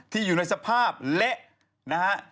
ที่อยู่ในสภาพเละ